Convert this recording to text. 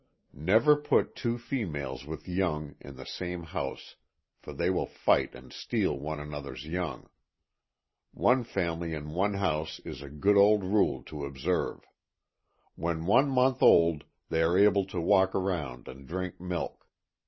Never put two females with young, in the same house for they will fight and steal one and anothersŌĆÖ young. One family in one house is a good old rule to observe. When one month old they are able to walk around and drink milk.